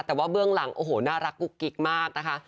แต่ว่าเบื้องหลังโอ้โหน่ารักกุ๊กกิ๊กมากนะคะ